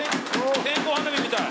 線香花火みたい！